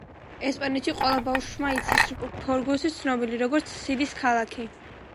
ესპანეთში ყველა ბავშვმა იცის ბურგოსი ცნობილი, როგორც სიდის ქალაქი.